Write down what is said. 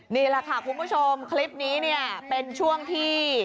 นี้ล่ะค่ะคุณผู้ชมคลิปนี้เป็นช่วงที่